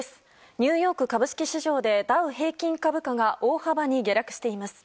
ニューヨーク株式市場でダウ平均株価が大幅に下落しています。